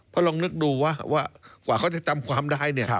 เพราะลองนึกดูว่ากว่าเขาจะจำความได้เนี่ย